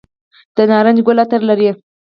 د نارنج ګل عطر لري؟